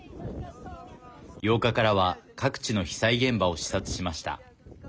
８日からは各地の被災現場を視察しました。